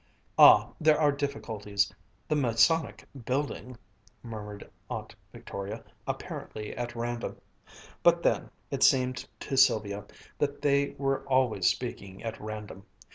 "Ah, there are difficulties the Masonic Building " murmured Aunt Victoria, apparently at random. But then, it seemed to Sylvia that they were always speaking at random.